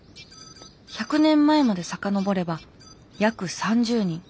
１００年前まで遡れば約３０人。